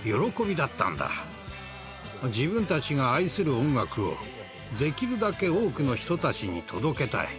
自分たちが愛する音楽をできるだけ多くの人たちに届けたい。